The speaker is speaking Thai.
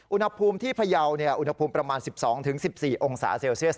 อุณหภูมิที่พยาวอุณหภูมิประมาณ๑๒๑๔องศาเซลเซียส